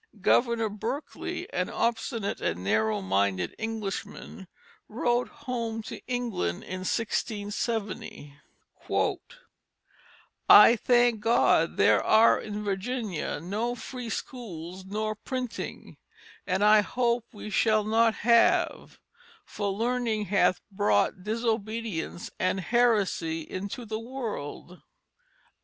Governor Berkeley, an obstinate and narrow minded Englishman, wrote home to England in 1670, "I thank God there are in Virginia no free schools nor printing, and I hope we shall not have, for learning hath brought disobedience and heresy into the world."